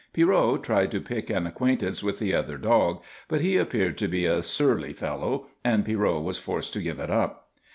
Pierrot tried to pick an acquaintance with the other dog, but he appeared to be a surly fellow, and Pierrot was forced to give it up.